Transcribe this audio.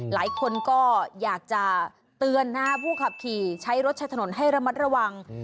หลายคนก็อยากจะเตือนนะผู้ขับขี่ใช้รถใช้ถนนให้ระมัดระวัง